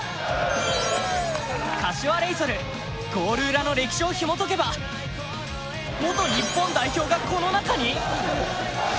柏レイソル、ゴール裏の歴史をひもとけば元日本代表が、この中に！？